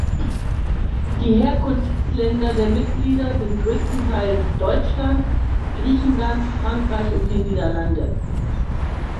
Die Herkunftsländer der Mitglieder sind größtenteils Deutschland, Griechenland, Frankreich und die Niederlande.